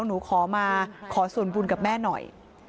หนูขอมาขอส่วนบุญกับแม่หน่อย